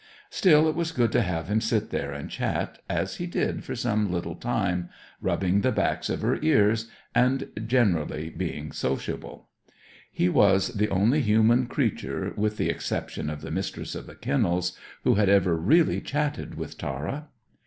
Still, it was good to have him sit there and chat, as he did for some little time, rubbing the backs of her ears, and being generally sociable. He was the only human creature, with the exception of the Mistress of the Kennels, who had ever really chatted with Tara.